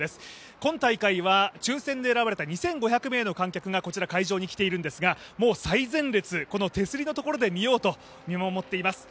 今大会は抽選で選ばれた２５００名の観客がこちら、会場に来ているんですが、最前列、この手すりのところで見ようと見守っています。